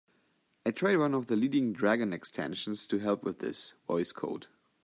I tried one of the leading Dragon extensions to help with this, Voice Code.